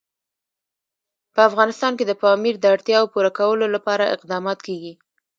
په افغانستان کې د پامیر د اړتیاوو پوره کولو لپاره اقدامات کېږي.